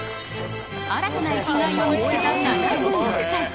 新たな生きがいを見つけた７６歳。